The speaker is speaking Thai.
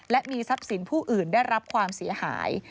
และมีทรัพย์สินผู้อื่นได้รับความเสียหาย